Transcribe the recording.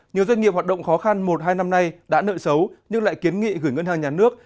nhiều doanh nghiệp hoạt động khó khăn một hai năm nay đã nợ xấu nhưng lại kiến nghị gửi ngân hàng nhà nước